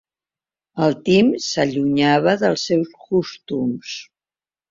El Tim s'allunyava dels seus costums.